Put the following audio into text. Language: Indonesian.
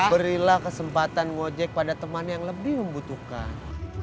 berilah kesempatan ngojek pada teman yang lebih membutuhkan